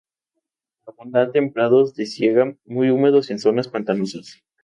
Abundante en prados de siega muy húmedos y en zonas pantanosas.